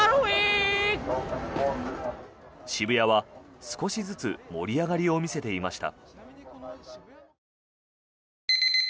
渋谷は少しずつ盛り上がりを見せていました。